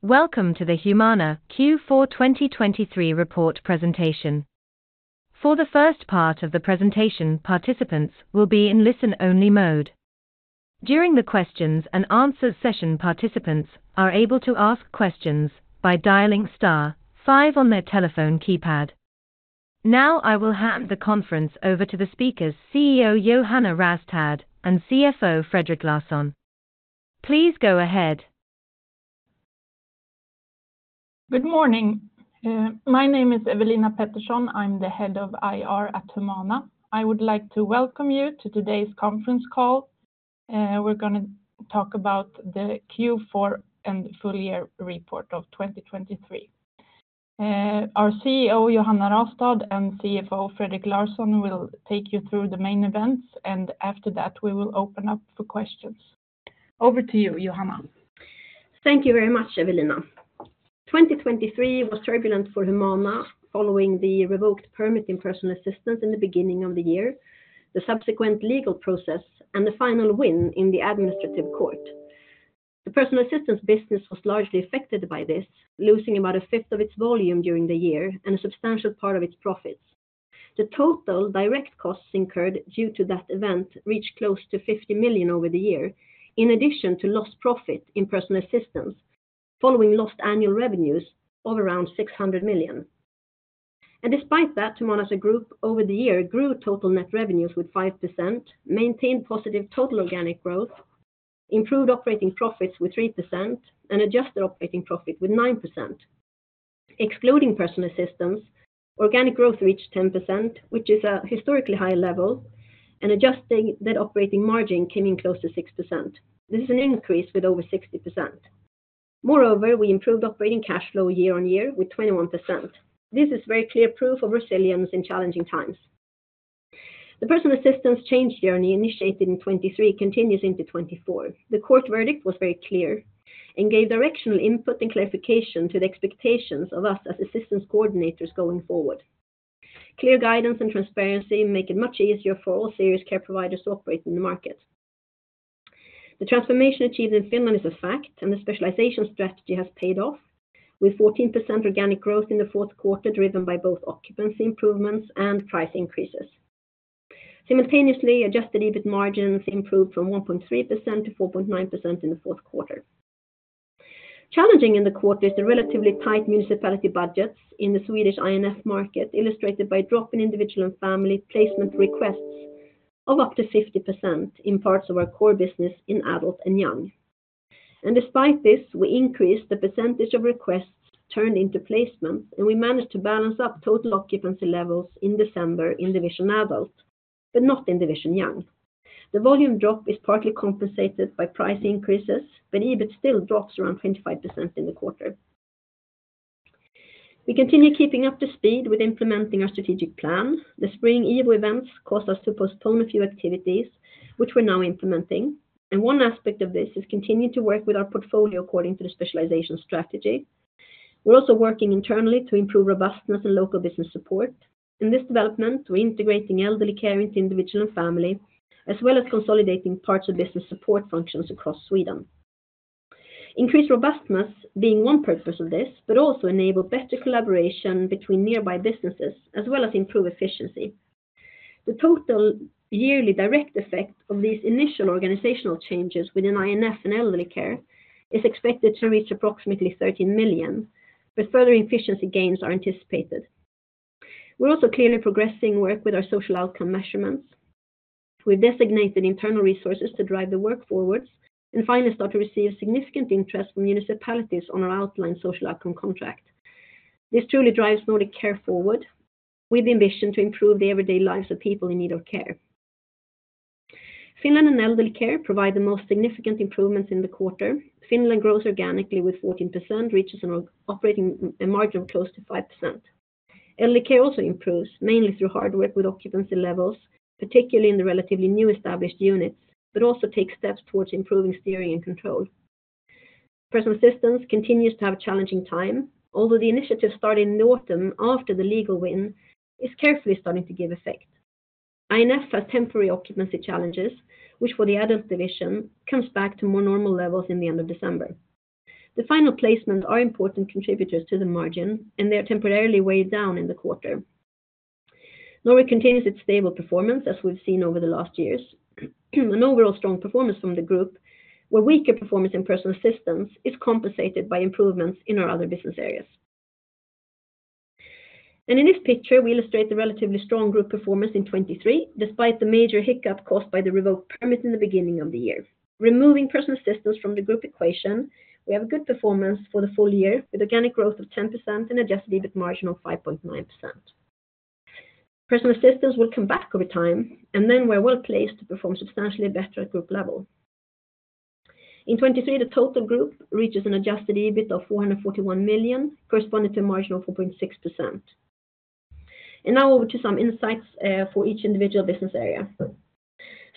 Welcome to the Humana Q4 2023 report presentation. For the first part of the presentation, participants will be in listen-only mode. During the questions and answers session, participants are able to ask questions by dialing star five on their telephone keypad. Now, I will hand the conference over to the speakers, CEO Johanna Rastad and CFO Fredrik Larsson. Please go ahead. Good morning. My name is Ewelina Pettersson. I'm the Head of IR at Humana. I would like to welcome you to today's conference call. We're gonna talk about the Q4 and full year report of 2023. Our CEO, Johanna Rastad, and CFO, Fredrik Larsson, will take you through the main events, and after that, we will open up for questions. Over to you, Johanna. Thank you very much, Ewelina. 2023 was turbulent for Humana, following the revoked permit in personal assistance in the beginning of the year, the subsequent legal process, and the final win in the administrative court. The personal assistance business was largely affected by this, losing about a fifth of its volume during the year and a substantial part of its profits. The total direct costs incurred due to that event reached close to 50 million over the year, in addition to lost profit in personal assistance, following lost annual revenues of around 600 million. And despite that, Humana as a group, over the year, grew total net revenues with 5%, maintained positive total organic growth, improved operating profits with 3%, and adjusted operating profit with 9%. Excluding personal assistance, organic growth reached 10%, which is a historically high level, and adjusting that operating margin came in close to 6%. This is an increase with over 60%. Moreover, we improved operating cash flow year-on-year with 21%. This is very clear proof of resilience in challenging times. The personal assistance change journey, initiated in 2023, continues into 2024. The court verdict was very clear and gave directional input and clarification to the expectations of us as assistance coordinators going forward. Clear guidance and transparency make it much easier for all serious care providers to operate in the market. The transformation achieved in Finland is a fact, and the specialization strategy has paid off, with 14% organic growth in the fourth quarter, driven by both occupancy improvements and price increases. Simultaneously, Adjusted EBIT margins improved from 1.3% to 4.9% in the fourth quarter. Challenging in the quarter is the relatively tight municipality budgets in the Swedish INF market, illustrated by a drop in Individual and Family placement requests of up to 50% in parts of our core business in Adult and Young. And despite this, we increased the percentage of requests turned into placements, and we managed to balance up total occupancy levels in December in Division Adult, but not in Division Young. The volume drop is partly compensated by price increases, but EBIT still drops around 25% in the quarter. We continue keeping up to speed with implementing our strategic plan. The spring eve events caused us to postpone a few activities, which we're now implementing, and one aspect of this is continuing to work with our portfolio according to the specialization strategy. We're also working internally to improve robustness and local business support. In this development, we're integrating elderly care into Individual and Family, as well as consolidating parts of business support functions across Sweden. Increased robustness being one purpose of this, but also enable better collaboration between nearby businesses, as well as improve efficiency. The total yearly direct effect of these initial organizational changes within INF and elderly care is expected to reach approximately 13 million, but further efficiency gains are anticipated. We're also clearly progressing work with our social outcome measurements. We've designated internal resources to drive the work forwards and finally start to receive significant interest from municipalities on our outlined social outcome contract. This truly drives Nordic care forward with the ambition to improve the everyday lives of people in need of care. Finland and elderly care provide the most significant improvements in the quarter. Finland grows organically, with 14%, reaches an operating margin of close to 5%. Elderly care also improves, mainly through hard work with occupancy levels, particularly in the relatively newly established units, but also takes steps towards improving steering and control. Personal assistance continues to have a challenging time, although the initiative started in the autumn after the legal win, is carefully starting to give effect. INF has temporary occupancy challenges, which for the Adult division, comes back to more normal levels in the end of December. The final placements are important contributors to the margin, and they are temporarily weighed down in the quarter. Norway continues its stable performance, as we've seen over the last years. An overall strong performance from the group, where weaker performance in personal assistance is compensated by improvements in our other business areas. And in this picture, we illustrate the relatively strong group performance in 2023, despite the major hiccup caused by the revoked permit in the beginning of the year. Removing personal assistance from the group equation, we have a good performance for the full year, with organic growth of 10% and Adjusted EBIT margin of 5.9%. Personal assistance will come back over time, and then we're well-placed to perform substantially better at group level. In 2023, the total group reaches an Adjusted EBIT of 441 million corresponded to margin of 4.6%. And now over to some insight for each of Individual business area.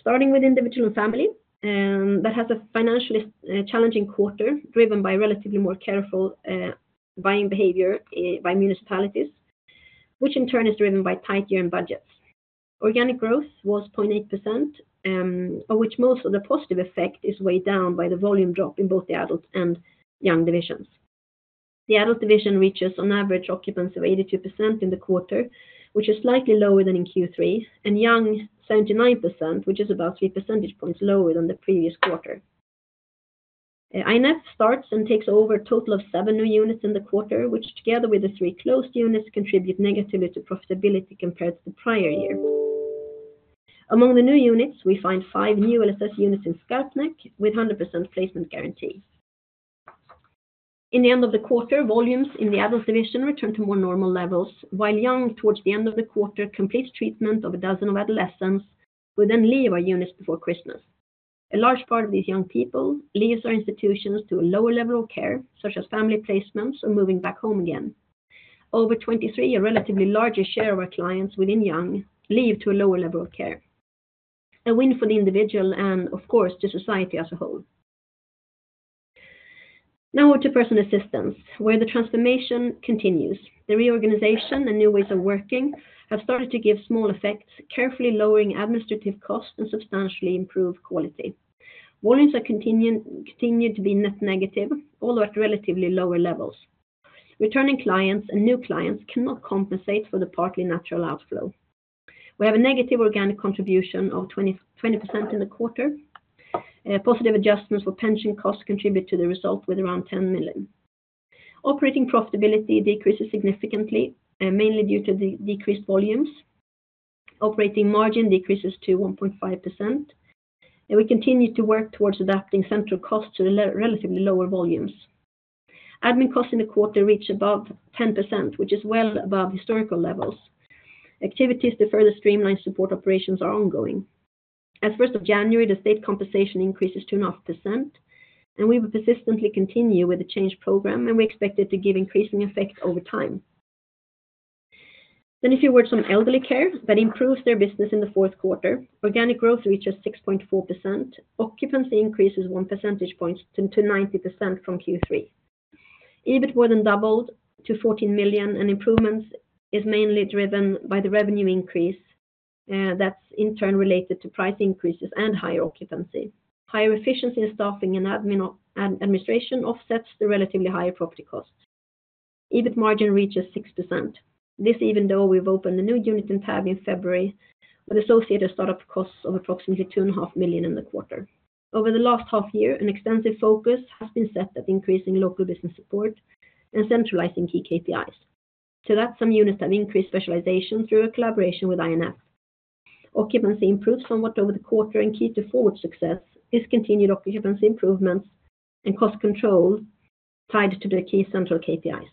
Starting with Individual and Family, that has a financially challenging quarter, driven by relatively more careful buying behavior by municipalities, which in turn is driven by tight year-end budgets. Organic growth was 0.8%, of which most of the positive effect is weighed down by the volume drop in both the Adult and Young divisions. The Adult division reaches on average occupancy of 82% in the quarter, which is slightly lower than in Q3, and Young, 79%, which is about 3 percentage points lower than the previous quarter. We start and take over a total of seven new units in the quarter, which together with the three closed units, contribute negatively to profitability compared to the prior year. Among the new units, we find five new LSS units in Skarpnäck, with 100% placement guarantee. In the end of the quarter, volumes in the Adult division return to more normal levels, while Young, towards the end of the quarter, completes treatment of 12 adolescents, who then leave our units before Christmas. A large part of these young people leaves our institutions to a lower level of care, such as family placements or moving back home again. Over 2023, a relatively larger share of our clients within Young leave to a lower level of care. A win for the Individual and, of course, to society as a whole. Now on to personal assistance, where the transformation continues. The reorganization and new ways of working have started to give small effects, carefully lowering administrative costs and substantially improve quality. Volumes are continuing, continued to be net negative, although at relatively lower levels. Returning clients and new clients cannot compensate for the partly natural outflow. We have a negative organic contribution of 22% in the quarter. Positive adjustments for pension costs contribute to the result with around 10 million. Operating profitability decreases significantly, mainly due to the decreased volumes. Operating margin decreases to 1.5%, and we continue to work towards adapting central costs to the relatively lower volumes. Admin costs in the quarter reach above 10%, which is well above historical levels. Activities to further streamline support operations are ongoing. As first of January, the state compensation increases to a half percent, and we will persistently continue with the change program, and we expect it to give increasing effect over time. Then a few words on elderly care that improves their business in the fourth quarter. Organic growth reaches 6.4%. Occupancy increases 1 percentage point to 90% from Q3. EBIT more than doubled to 14 million, and improvements is mainly driven by the revenue increase, that's in turn related to price increases and higher occupancy. Higher efficiency in staffing and administration offsets the relatively higher property cost. EBIT margin reaches 6%. This even though we've opened a new unit in Täby in February, with associated start-up costs of approximately 2.5 million in the quarter. Over the last half year, an extensive focus has been set at increasing local business support and centralizing key KPIs. To that, some units have increased specialization through a collaboration with INF. Occupancy improved somewhat over the quarter, and key to forward success is continued occupancy improvements and cost control tied to the key central KPIs.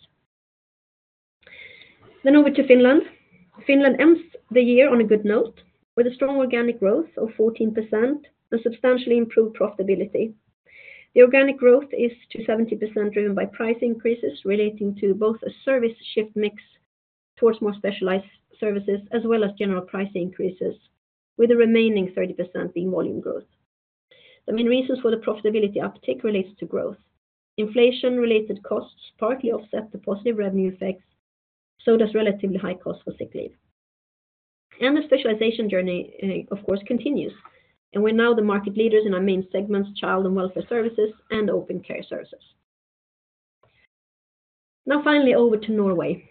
Then over to Finland. Finland ends the year on a good note with a strong organic growth of 14% and substantially improved profitability. The organic growth is to 70% driven by price increases, relating to both a service shift mix towards more specialized services, as well as general price increases, with the remaining 30% being volume growth. The main reasons for the profitability uptick relates to growth. Inflation-related costs partly offset the positive revenue effects, so does relatively high cost for sick leave. The specialization journey, of course, continues, and we're now the market leaders in our main segments, child and welfare services and open care services. Now, finally, over to Norway,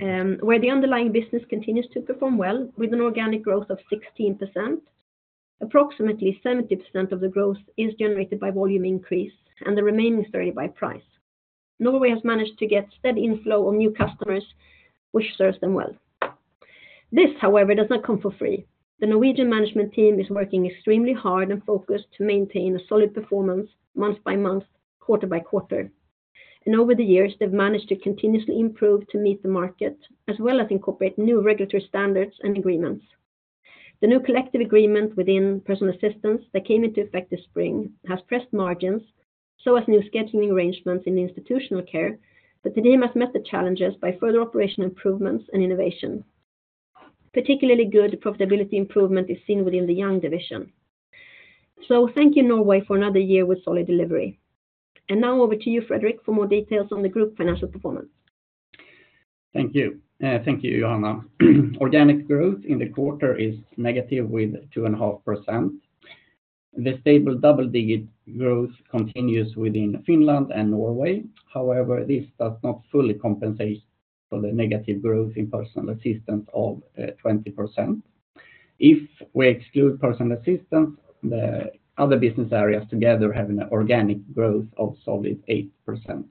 where the underlying business continues to perform well with an organic growth of 16%. Approximately 70% of the growth is generated by volume increase, and the remaining 30 by price. Norway has managed to get steady inflow of new customers, which serves them well. This, however, does not come for free. The Norwegian management team is working extremely hard and focused to maintain a solid performance month by month, quarter by quarter. And over the years, they've managed to continuously improve to meet the market, as well as incorporate new regulatory standards and agreements. The new collective agreement within personal assistance that came into effect this spring has pressed margins, so has new scheduling arrangements in the institutional care, but the team has met the challenges by further operational improvements and innovation. Particularly good profitability improvement is seen within the young division. So thank you, Norway, for another year with solid delivery. And now over to you, Fredrik, for more details on the group financial performance. Thank you. Thank you, Johanna. Organic growth in the quarter is negative with 2.5%. The stable double-digit growth continues within Finland and Norway. However, this does not fully compensate for the negative growth in personal assistance of 20%. If we exclude personal assistance, the other business areas together have an organic growth of solid 8%.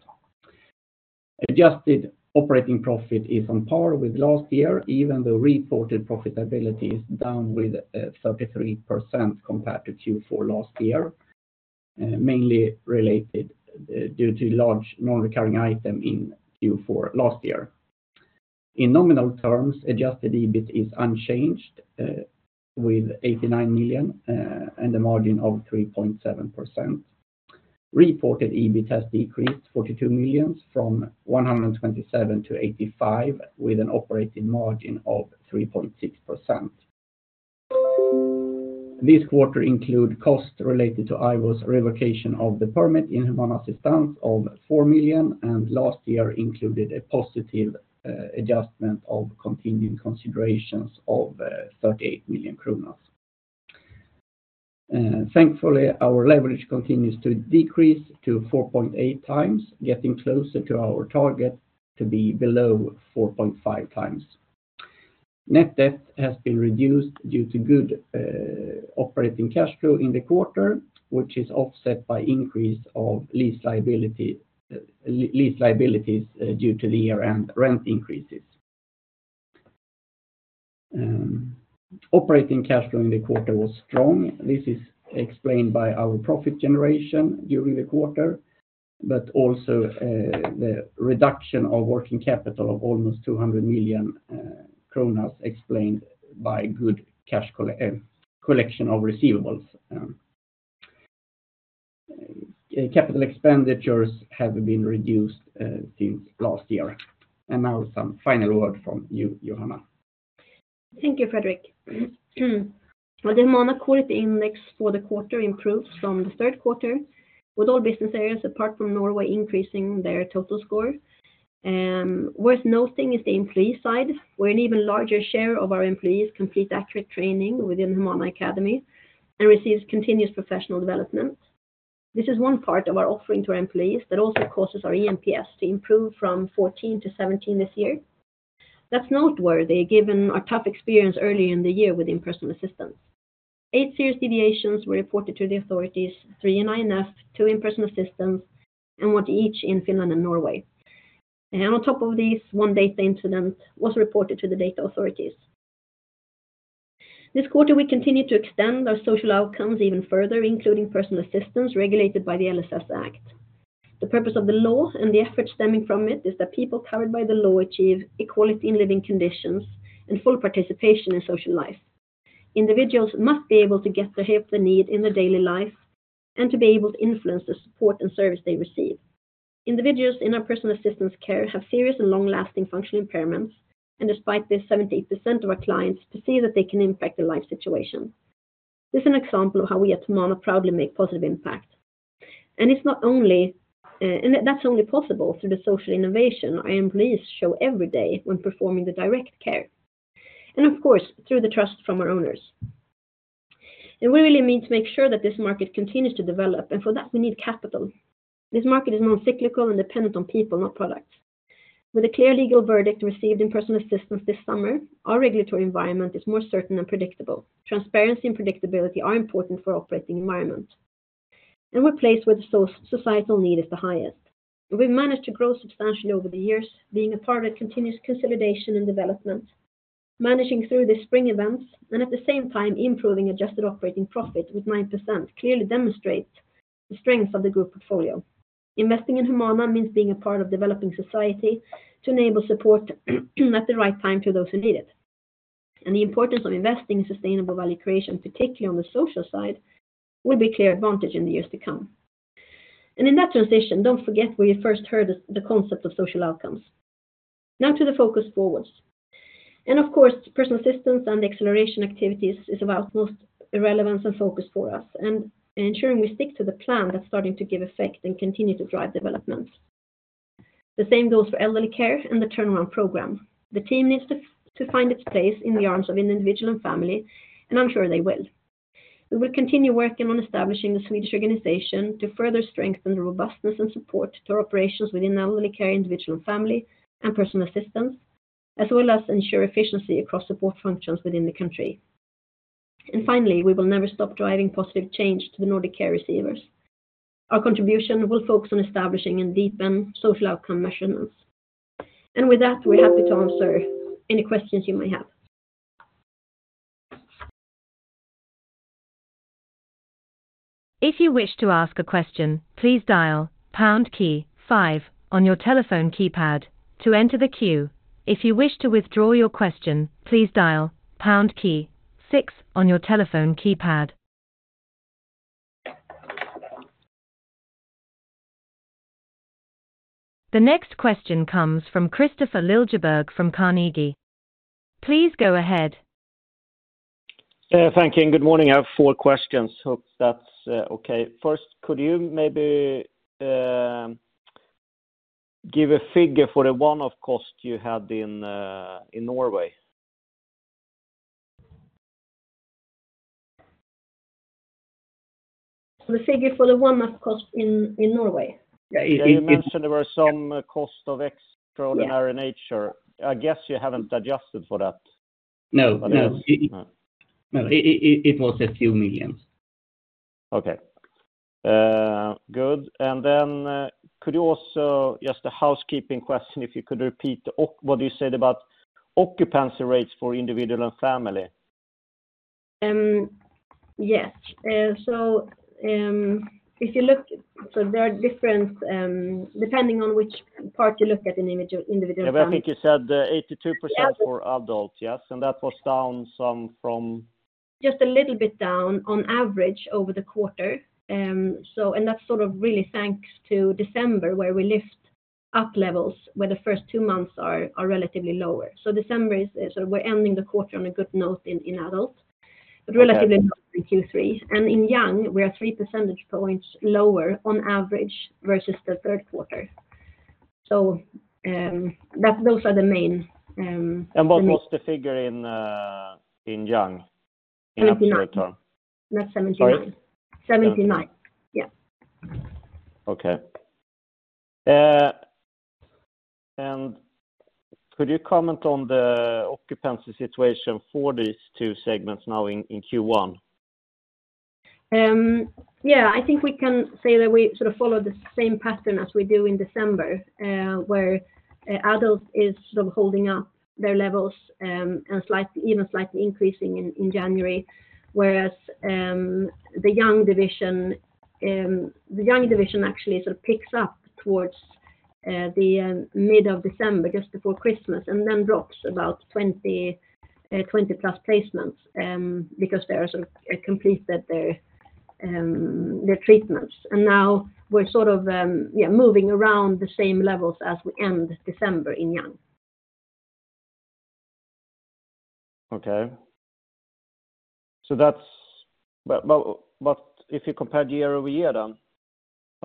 Adjusted operating profit is on par with last year, even though reported profitability is down with 33% compared to Q4 last year, mainly related due to large non-recurring item in Q4 last year. In nominal terms, Adjusted EBIT is unchanged with 89 million and a margin of 3.7%. Reported EBIT has decreased 42 million from 127 million to 85 million, with an operating margin of 3.6%. This quarter include costs related to IVO's revocation of the permit in Humana Assistans of 4 million, and last year included a positive adjustment of continuing considerations of 38 million. Thankfully, our leverage continues to decrease to 4.8x, getting closer to our target to be below 4.5x. Net debt has been reduced due to good operating cash flow in the quarter, which is offset by increase of lease liability, lease liabilities due to the year-end rent increases. Operating cash flow in the quarter was strong. This is explained by our profit generation during the quarter, but also, the reduction of working capital of almost 200 million kronor, explained by good cash collection of receivables. Capital expenditures have been reduced since last year. And now some final word from you, Johanna. Thank you, Fredrik. Well, the Humana Quality Index for the quarter improved from the third quarter, with all business areas, apart from Norway, increasing their total score. Worth noting is the employee side, where an even larger share of our employees complete accurate training within Humana Academy and receives continuous professional development. This is one part of our offering to our employees that also causes our eNPS to improve from 14 to 17 this year. That's noteworthy, given our tough experience early in the year with in-person assistance. Eight serious deviations were reported to the authorities, three in INF, two in personal assistance, and one each in Finland and Norway. And on top of these, one data incident was reported to the data authorities. This quarter, we continued to extend our social outcomes even further, including personal assistance regulated by the LSS Act. The purpose of the law and the effort stemming from it is that people covered by the law achieve equality in living conditions and full participation in social life. Individuals must be able to get the help they need in their daily life and to be able to influence the support and service they receive. Individuals in our personal assistance care have serious and long-lasting functional impairments, and despite this, 78% of our clients to see that they can impact their life situation. This is an example of how we at Humana proudly make positive impact. And that's only possible through the social innovation our employees show every day when performing the direct care, and of course, through the trust from our owners. And we really mean to make sure that this market continues to develop, and for that, we need capital. This market is non-cyclical and dependent on people, not products. With a clear legal verdict received in personal assistance this summer, our regulatory environment is more certain and predictable. Transparency and predictability are important for operating environment, and we're placed where the societal need is the highest. We've managed to grow substantially over the years, being a part of a continuous consolidation and development, managing through the spring events, and at the same time, improving adjusted operating profit with 9%, clearly demonstrates the strength of the group portfolio. Investing in Humana means being a part of developing society to enable support at the right time to those who need it. The importance of investing in sustainable value creation, particularly on the social side, will be clear advantage in the years to come. In that transition, don't forget where you first heard the concept of social outcomes. Now to the focus forward. Of course, personal assistance and the acceleration activities is of utmost relevance and focus for us, and ensuring we stick to the plan that's starting to give effect and continue to drive development. The same goes for elderly care and the turnaround program. The team needs to to find its place in the arms of an Individual and Family, and I'm sure they will. We will continue working on establishing a Swedish organization to further strengthen the robustness and support to our operations within elderly care, Individual and Family, and personal assistance, as well as ensure efficiency across support functions within the country. And finally, we will never stop driving positive change to the Nordic care receivers. Our contribution will focus on establishing and deepen social outcome measurements. And with that, we're happy to answer any questions you may have. If you wish to ask a question, please dial pound key five on your telephone keypad to enter the queue. If you wish to withdraw your question, please dial pound key six on your telephone keypad. The next question comes from Kristofer Liljeberg from Carnegie. Please go ahead. Thank you, and good morning. I have four questions. Hope that's okay. First, could you maybe give a figure for the one-off cost you had in Norway? The figure for the one-off cost in Norway? Yeah, you mentioned there were some cost of extraordinary nature. I guess you haven't adjusted for that? No, no. No. It was a few million SEK. Okay. Good. And then, could you also, just a housekeeping question, if you could repeat what you said about occupancy rates for Individual and Family? Yes. So there are different, depending on which part you look at in Individual, Individual and Family. Yeah, but I think you said 82% for Adults, yes? And that was down some from- Just a little bit down on average over the quarter. So and that's sort of really thanks to December, where we lift up levels where the first two months are relatively lower. So December is sort of we're ending the quarter on a good note in Adult, but relatively low in Q3. And in Young, we are three percentage points lower on average versus the third quarter. So, that those are the main. What was the figure in Young in absolute term? 79. Sorry. 79. Yeah. Okay. Could you comment on the occupancy situation for these two segments now in Q1? Yeah, I think we can say that we sort of follow the same pattern as we do in December, where Adult is sort of holding up their levels, and even slightly increasing in January. Whereas, the Young division, the Young division actually sort of picks up towards the mid of December, just before Christmas, and then drops about 20, 20+ placements, because they are sort of completed their their treatments. And now we're sort of moving around the same levels as we end December in Young. Okay. So that's... But if you compare year-over-year, then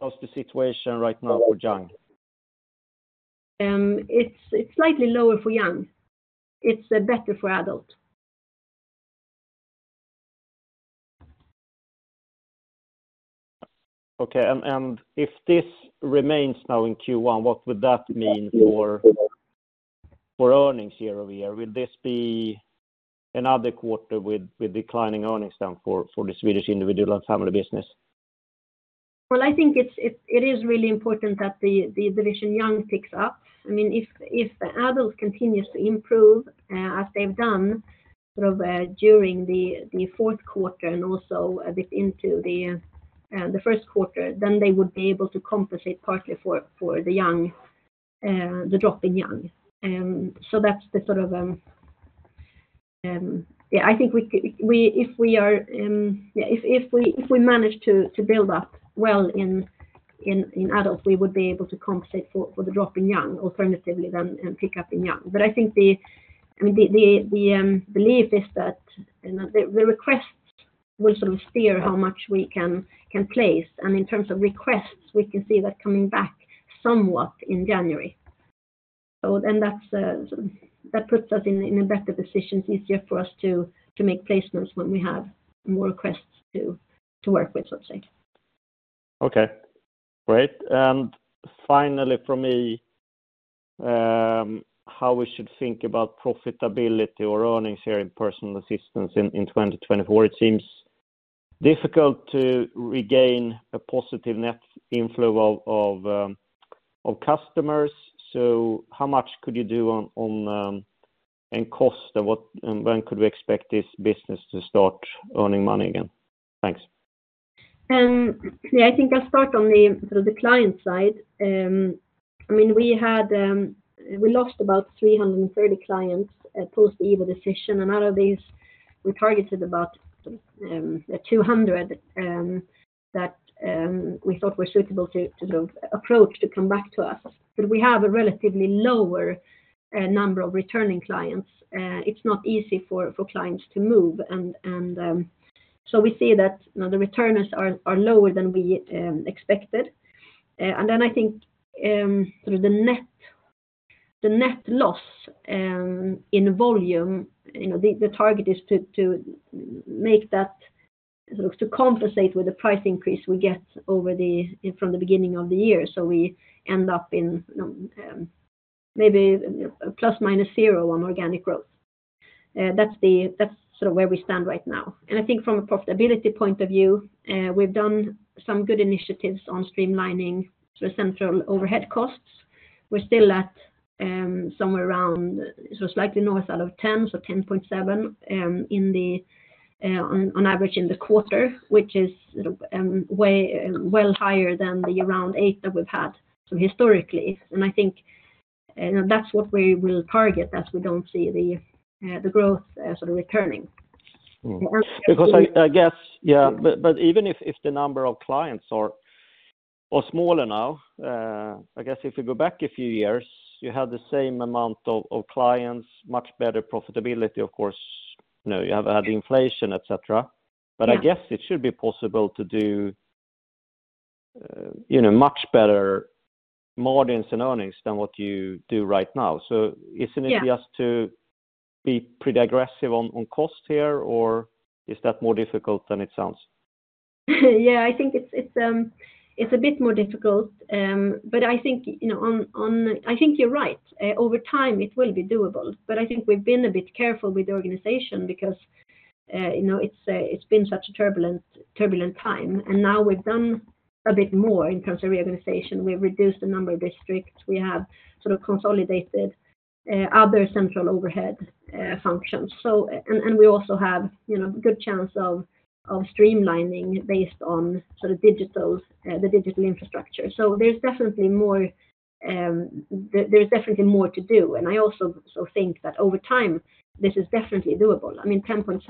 how's the situation right now for Young? It's slightly lower for Young. It's better for Adult. Okay, and if this remains now in Q1, what would that mean for earnings year-over-year? Will this be another quarter with declining earnings then for the Swedish Individual and Family business? Well, I think it is really important that the Division Young picks up. I mean, if the Adult continues to improve, as they've done sort of, during the fourth quarter and also a bit into the first quarter, then they would be able to compensate partly for the Young, the drop in Young. So that's the sort of... Yeah, I think we if we are, yeah, if we manage to build up well in Adult, we would be able to compensate for the drop in Young, alternatively, then, and pick up in Young. But I think, I mean, the belief is that, you know, the requests will sort of steer how much we can place. In terms of requests, we can see that coming back somewhat in January. So then that's sort of that puts us in a better position. It's easier for us to make placements when we have more requests to work with, let's say. Okay, great. And finally, from me, how we should think about profitability or earnings here in personal assistance in 2024? It seems difficult to regain a positive net inflow of customers. So how much could you do on in cost, and what and when could we expect this business to start earning money again? Thanks. Yeah, I think I'll start on the, sort of the client side. I mean, we had, we lost about 330 clients post the EVA decision. And out of these, we targeted about 200 that we thought were suitable to approach to come back to us. But we have a relatively lower number of returning clients. It's not easy for clients to move. And so we see that, you know, the returners are lower than we expected. And then I think, sort of the net, the net loss in volume, you know, the target is to make that, sort of to compensate with the price increase we get from the beginning of the year. So we end up in maybe ±0 on organic growth. That's sort of where we stand right now. And I think from a profitability point of view, we've done some good initiatives on streamlining the central overhead costs. We're still at somewhere around, so slightly north out of ten, so 10.7, in the on average in the quarter, which is way well higher than the around eight that we've had historically. And I think that's what we will target as we don't see the growth sort of returning. Because I guess, yeah, but even if the number of clients are smaller now, I guess if you go back a few years, you had the same amount of clients, much better profitability, of course, you know, you have had inflation, et cetera. Yeah. But I guess it should be possible to do, you know, much better margins and earnings than what you do right now. Yeah. Isn't it just to be pretty aggressive on, on cost here, or is that more difficult than it sounds? Yeah, I think it's a bit more difficult. But I think, you know, I think you're right. Over time, it will be doable, but I think we've been a bit careful with the organization because, you know, it's been such a turbulent time, and now we've done a bit more in terms of reorganization. We've reduced the number of districts. We have sort of consolidated other central overhead functions. So, and we also have, you know, a good chance of streamlining based on sort of the digital infrastructure. So there's definitely more, there's definitely more to do. And I also so think that over time, this is definitely doable. I mean, 10.7%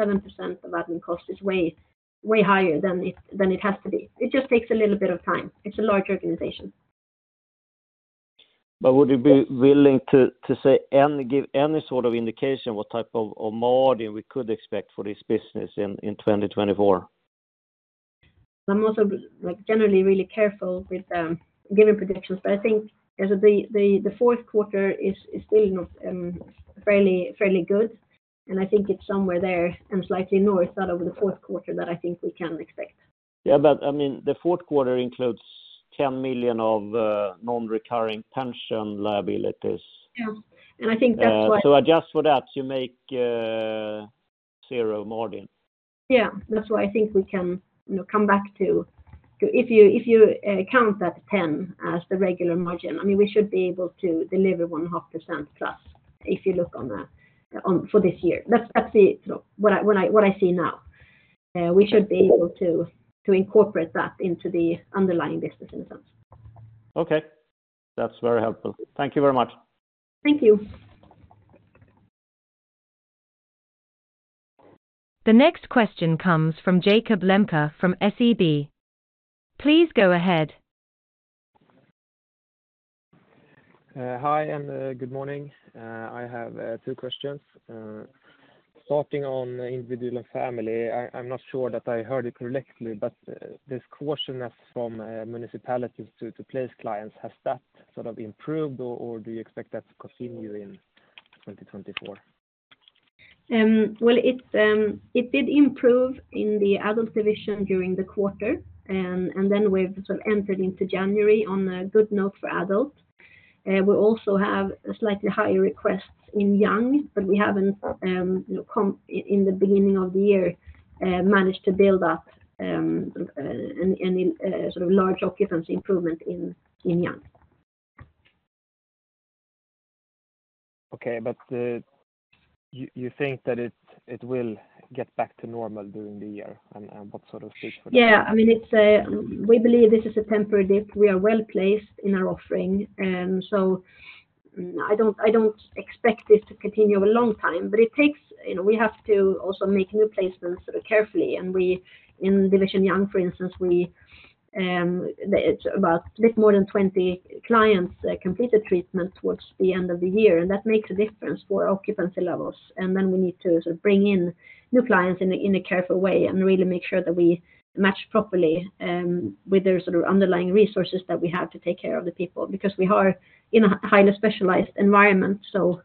of admin cost is way higher than it has to be. It just takes a little bit of time. It's a large organization. Would you be willing to give any sort of indication what type of or margin we could expect for this business in 2024? I'm also, like, generally really careful with giving predictions, but I think as the fourth quarter is still not fairly good, and I think it's somewhere there and slightly north out of the fourth quarter that I think we can expect. Yeah, but, I mean, the fourth quarter includes 10 million of non-recurring pension liabilities. Yeah, and I think that's why- So adjust for that, you make zero margin. Yeah, that's why I think we can, you know, come back to—if you, if you count that 10 as the regular margin, I mean, we should be able to deliver 0.5%+, if you look on the, on—for this year. That's, that's it, you know, what I, what I, what I see now. We should be able to incorporate that into the underlying business in a sense. Okay. That's very helpful. Thank you very much. Thank you. The next question comes from Jakob Lembke from SEB. Please go ahead. Hi and good morning. I have two questions. Starting on Individual and Family, I'm not sure that I heard it correctly, but this caution as from municipalities to place clients, has that sort of improved, or do you expect that to continue in 2024? Well, it did improve in the Adult division during the quarter, and then we've sort of entered into January on a good note for Adult. We also have slightly higher requests in Young, but we haven't, you know, in the beginning of the year, managed to build up any sort of large occupancy improvement in Young. Okay, but you think that it will get back to normal during the year, and what sort of reason for that? Yeah. I mean, it's we believe this is a temporary dip. We are well-placed in our offering, so I don't, I don't expect this to continue a long time, but it takes. You know, we have to also make new placements sort of carefully, and we in Division Young, for instance, we, it's about a bit more than 20 clients completed treatment towards the end of the year, and that makes a difference for our occupancy levels. And then we need to sort of bring in new clients in a careful way and really make sure that we match properly, with the sort of underlying resources that we have to take care of the people, because we are in a highly specialized environment. So,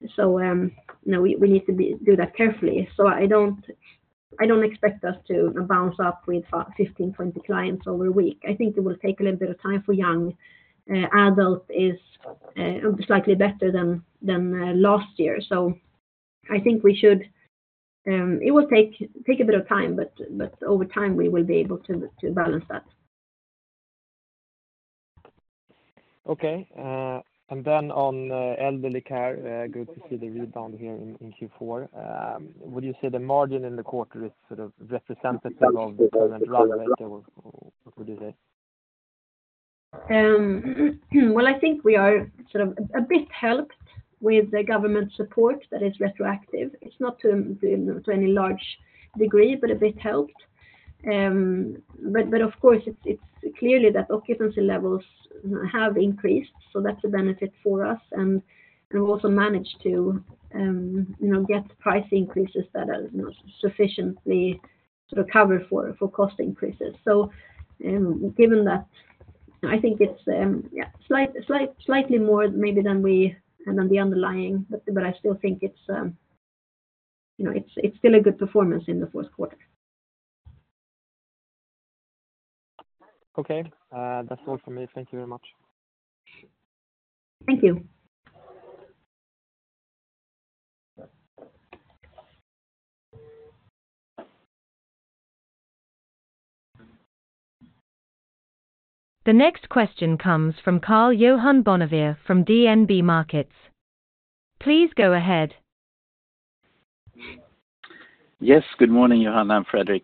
you know, we, we need to be do that carefully. So I don't expect us to bounce up with 15, 20 clients over a week. I think it will take a little bit of time for Young. Adult is slightly better than last year. So I think we should. It will take a bit of time, but over time, we will be able to balance that. Okay, and then on elderly care, good to see the rebound here in Q4. Would you say the margin in the quarter is sort of representative of the current run rate, or what would you say? Well, I think we are sort of a bit helped with the government support that is retroactive. It's not to any large degree, but a bit helped. But of course, it's clearly that occupancy levels have increased, so that's a benefit for us, and we've also managed to, you know, get price increases that are, you know, sufficiently to cover for cost increases. So, given that, I think it's, yeah, slightly more maybe than the underlying, but I still think it's, you know, it's still a good performance in the fourth quarter. Okay, that's all for me. Thank you very much. Thank you. The next question comes from Karl-Johan Bonnevier from DNB Markets. Please go ahead. Yes, good morning, Johanna and Fredrik.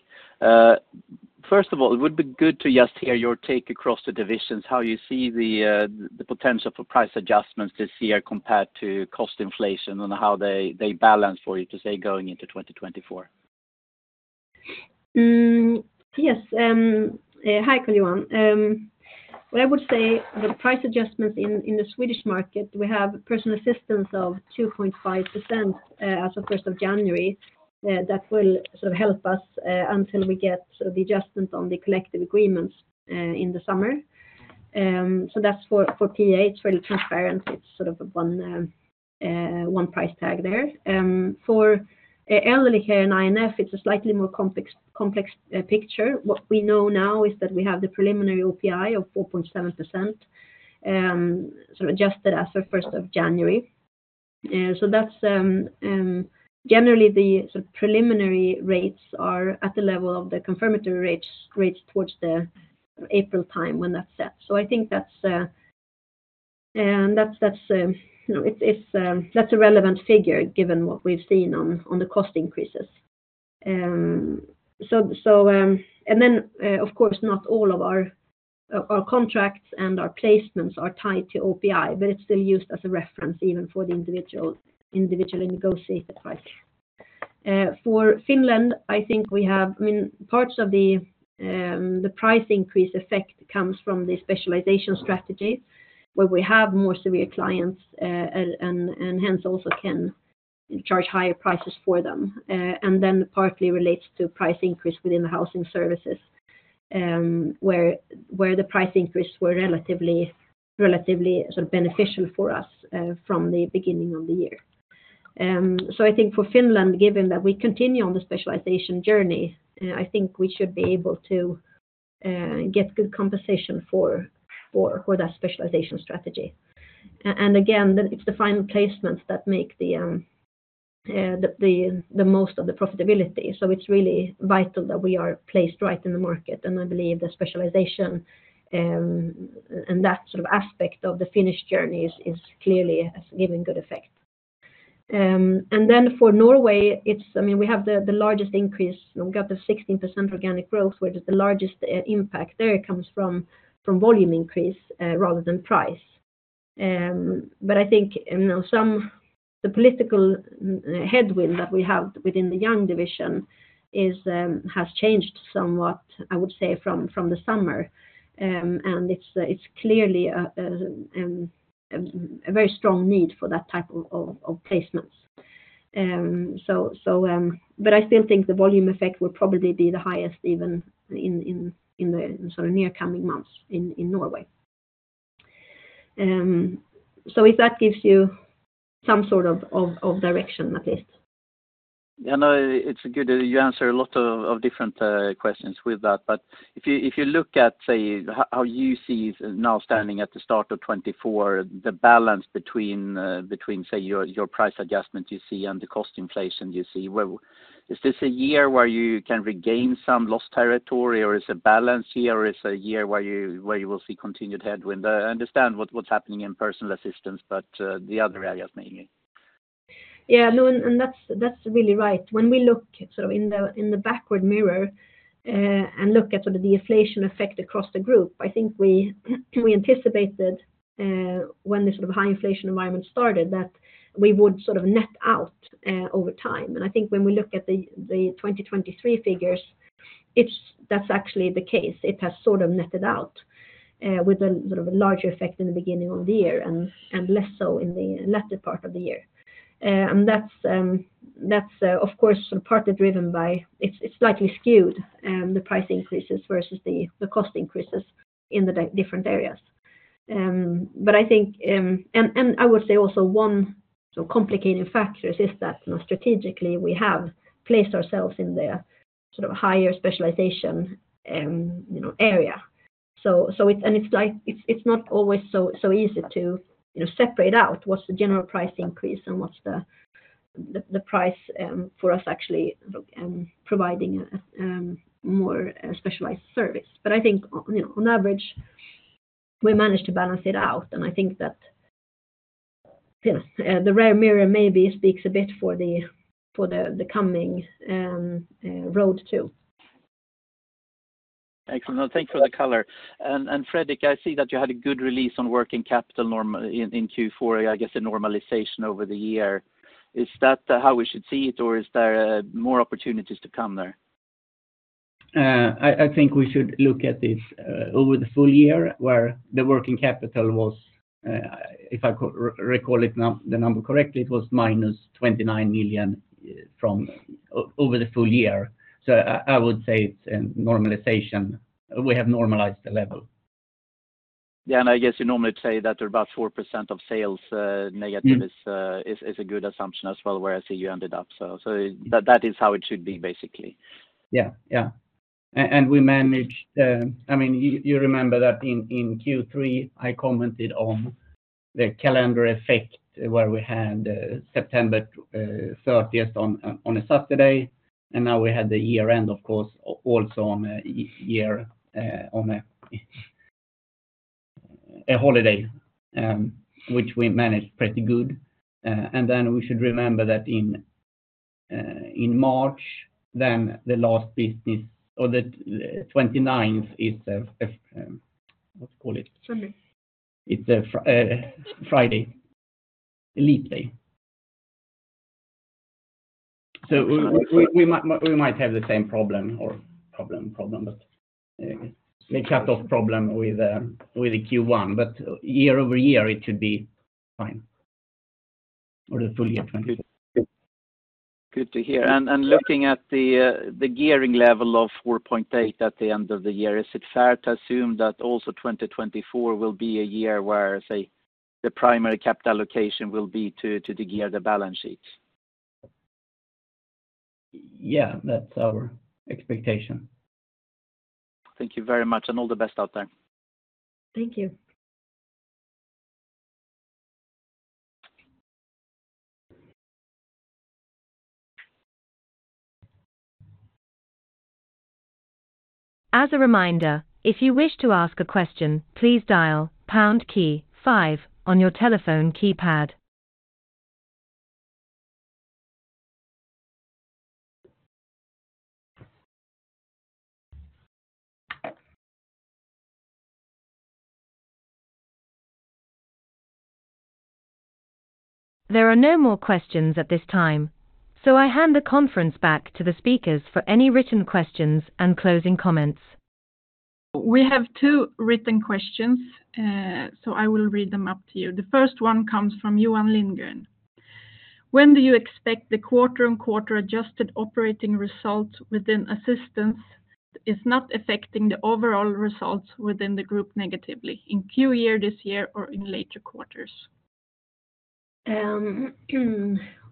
First of all, it would be good to just hear your take across the divisions, how you see the, the potential for price adjustments this year compared to cost inflation and how they, they balance for you to, say, going into 2024. Yes, hi, Karl-Johan. Well, I would say the price adjustments in the Swedish market, we have personal assistance of 2.5% as of first of January. That will sort of help us until we get the adjustments on the collective agreements in the summer. So that's for PA, it's really transparent. It's sort of one price tag there. For elderly care and INF, it's a slightly more complex picture. What we know now is that we have the preliminary OPI of 4.7%, sort of adjusted as of first of January. So that's generally, the sort of preliminary rates are at the level of the confirmatory rates towards the April time when that's set. So I think that's... You know, that's a relevant figure given what we've seen on the cost increases. And then, of course, not all of our contracts and our placements are tied to OPI, but it's still used as a reference, even for the individually negotiated price. For Finland, I think we have, I mean, parts of the price increase effect comes from the specialization strategy, where we have more severe clients, and hence, also can charge higher prices for them. And then partly relates to price increase within the housing services, where the price increase were relatively sort of beneficial for us, from the beginning of the year. So I think for Finland, given that we continue on the specialization journey, I think we should be able to get good compensation for that specialization strategy. And again, it's the final placements that make the most of the profitability. So it's really vital that we are placed right in the market, and I believe the specialization and that sort of aspect of the Finnish journey is clearly giving good effect. And then for Norway, it's I mean, we have the largest increase. We've got the 16% organic growth, which is the largest impact. There it comes from volume increase rather than price. But I think, you know, the political headwind that we have within the Young division has changed somewhat, I would say, from the summer. It's clearly a very strong need for that type of placements. But I still think the volume effect will probably be the highest even in the sort of near coming months in Norway. So if that gives you some sort of direction, at least. Yeah, no, it's good. You answer a lot of different questions with that. But if you look at, say, how you see now standing at the start of 2024, the balance between, say, your price adjustment you see and the cost inflation you see, well, is this a year where you can regain some lost territory, or is it a balance year, or is it a year where you will see continued headwind? I understand what's happening in personal assistance, but the other areas, mainly. Yeah, no, and that's really right. When we look sort of in the backward mirror and look at sort of the inflation effect across the group, I think we anticipated when the sort of high inflation environment started that we would sort of net out over time. And I think when we look at the 2023 figures, it's—that's actually the case. It has sort of netted out with a sort of a larger effect in the beginning of the year and less so in the latter part of the year. And that's, of course, partly driven by... It's slightly skewed, the price increases versus the cost increases in the different areas. But I think, and I would say also one sort of complicating factor is that, you know, strategically, we have placed ourselves in the sort of higher specialization, you know, area. So it, and it's like, it's not always so easy to, you know, separate out what's the general price increase and what's the price for us actually providing more specialized service. But I think, you know, on average, we managed to balance it out, and I think that, yeah, the rearview mirror maybe speaks a bit for the coming road, too. Excellent. Thank you for the color. And, and Fredrik, I see that you had a good release on working capital norm in, in Q4. I guess, a normalization over the year. Is that how we should see it, or is there more opportunities to come there? I think we should look at this over the full year, where the working capital was, if I could recall the number correctly, it was -29 million over the full year. So I would say it's a normalization. We have normalized the level. Yeah, and I guess you normally say that about 4% of sales, negative- Mm. is a good assumption as well, where I see you ended up. So, that is how it should be, basically. Yeah, yeah. And we managed. I mean, you remember that in Q3, I commented on the calendar effect, where we had September 30th on a Saturday, and now we had the year end, of course, also on a year on a holiday, which we managed pretty good. And then we should remember that in March, then the last business or the 29th is what do you call it? Sunday. It's a Friday, a light day. So we might have the same problem, but the cutoff problem with the Q1. But year-over-year, it should be fine for the full year 20- Good to hear. And looking at the gearing level of 4.8 at the end of the year, is it fair to assume that also 2024 will be a year where, say, the primary capital allocation will be to gear the balance sheets? Yeah, that's our expectation. Thank you very much, and all the best out there. Thank you. As a reminder, if you wish to ask a question, please dial pound key five on your telephone keypad. There are no more questions at this time, so I hand the conference back to the speakers for any written questions and closing comments. We have two written questions, so I will read them up to you. The first one comes from Johan Lindgren: When do you expect the quarter-and-quarter adjusted operating results within assistance is not affecting the overall results within the group negatively? In Q year, this year, or in later quarters?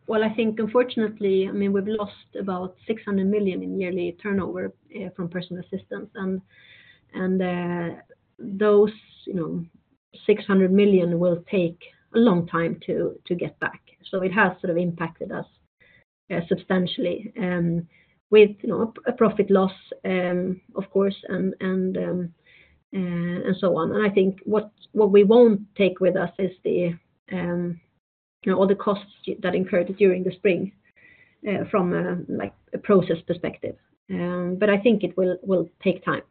Well, I think unfortunately, I mean, we've lost about 600 million in yearly turnover from personal assistance, and those, you know, 600 million will take a long time to get back. So it has sort of impacted us substantially with, you know, a profit loss of course, and so on. And I think what we won't take with us is the, you know, all the costs that incurred during the spring from, like, a process perspective. But I think it will take time.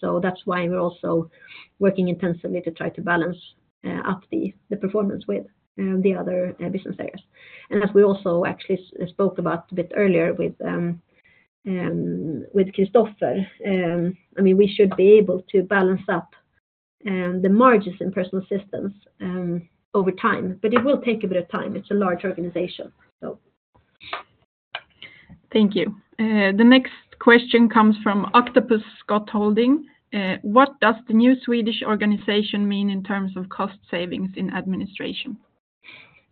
So that's why we're also working intensively to try to balance up the performance with the other business areas. As we also actually spoke about a bit earlier with Kristofer, I mean, we should be able to balance up the margins in personal assistance over time, but it will take a bit of time. It's a large organization, so. Thank you. The next question comes from Octopus Scott Holding. What does the new Swedish organization mean in terms of cost savings in administration?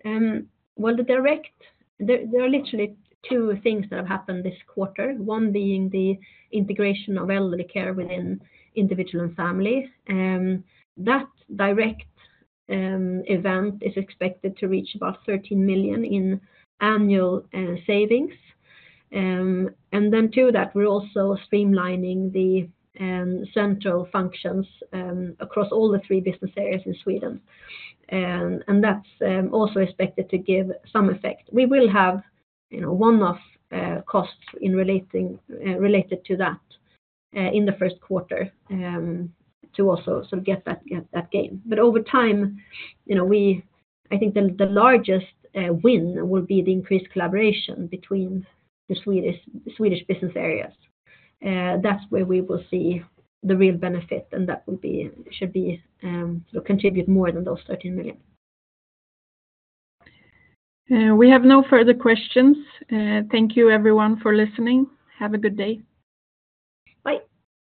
Well, there are literally two things that have happened this quarter. One being the integration of elderly care within Individual and Family. That direct event is expected to reach about 13 million in annual savings. And then two, that we're also streamlining the central functions across all the three business areas in Sweden. And that's also expected to give some effect. We will have, you know, one-off costs related to that in the first quarter to also sort of get that gain. But over time, you know, I think the largest win will be the increased collaboration between the Swedish business areas. That's where we will see the real benefit, and that will be, should be, will contribute more than those 13 million. We have no further questions. Thank you, everyone, for listening. Have a good day. Bye.